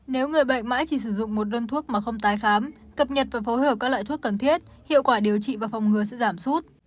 nếu người bệnh mãi chỉ sử dụng một đơn thuốc mà không tái khám cập nhật và phối hợp các loại thuốc cần thiết hiệu quả điều trị và phòng ngừa sẽ giảm sút